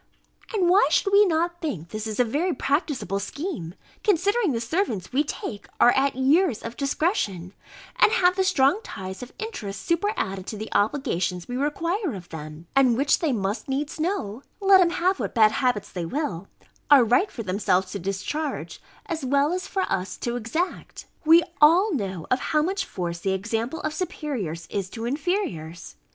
And why should we not think this a very practicable scheme, considering the servants we take are at years of discretion, and have the strong ties of interest superadded to the obligations we require of them? and which, they must needs know (let 'em have what bad habits they will) are right for themselves to discharge, as well as for us to exact. We all know of how much force the example of superiors is to inferiors.